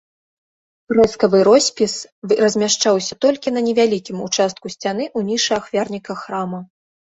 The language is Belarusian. Фрэскавы роспіс размяшчаўся толькі на невялікім участку сцяны ў нішы ахвярніка храма.